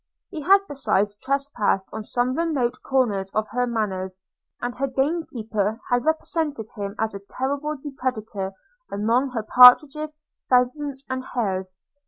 – He had besides trespassed on some remote corners of her manors; and her gamekeeper had represented him as a terrible depredator among her partridges, pheasants, and hares.